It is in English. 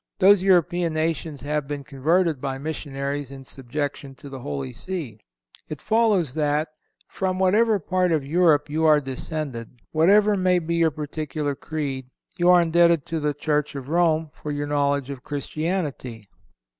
Those European nations having been converted by missionaries in subjection to the Holy See, it follows that, from whatever part of Europe you are descended, whatever may be your particular creed, you are indebted to the Church of Rome for your knowledge of Christianity.